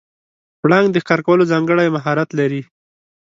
پړانګ د ښکار کولو ځانګړی مهارت لري.